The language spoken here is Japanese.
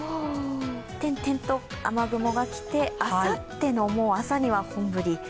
点々と雨雲が来て、あさっての朝には本降り。